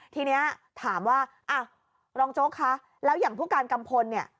ทีนี้ถามว่ารองโจ๊กคะแล้วอย่างผู้การกัมพลเนี่ย